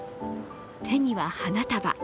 手には花束。